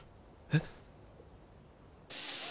えっ。